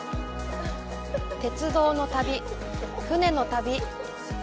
鉄道の旅船の旅